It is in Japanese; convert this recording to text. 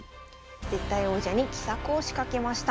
絶対王者に奇策を仕掛けました。